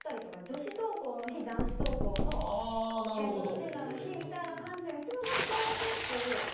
女子登校の日、男子登校の健康診断の日みたいな感じでうちの学校は結構。